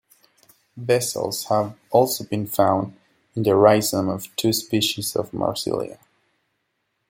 Vessels have also been found in the rhizome of two species of "Marsilea".